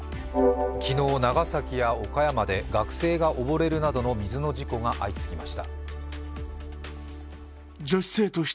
昨日、長崎や岡山で学生が溺れるなどの水の事故が相次ぎました。